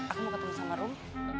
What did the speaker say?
aku mau ketemu sama room